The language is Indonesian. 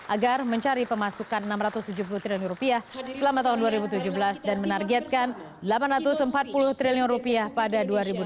agar mencari pemasukan rp enam ratus tujuh puluh triliun rupiah selama tahun dua ribu tujuh belas dan menargetkan rp delapan ratus empat puluh triliun rupiah pada dua ribu delapan belas